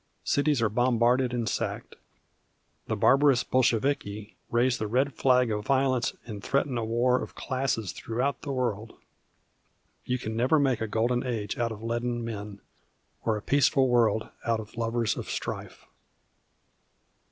Cities are bombarded and sacked. The barbarous Bolsheviki raise the red flag of violence and threaten a war of classes throughout the world. You can never make a golden age out of leaden men, or a peaceful world out of lovers of strife.